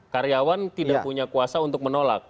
karyawan tidak punya kuasa untuk menolak